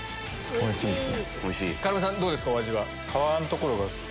おいしいです。